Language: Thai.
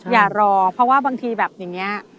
อย่ารอเพราะว่าบางทีแบบอย่างนี้